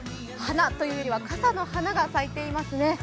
花というよりは傘の花が咲いてますね。